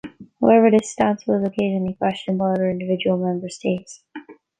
However, this stance was occasionally questioned by other individual member states.